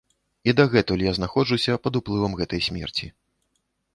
І дагэтуль я знаходжуся пад уплывам гэтай смерці.